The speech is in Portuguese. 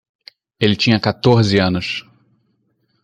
Ele tinha quatorze anos.